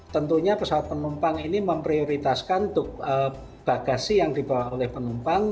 tentunya pesawat penumpang ini memprioritaskan untuk bagasi yang dibawa oleh penumpang